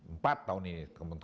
empat tahun ini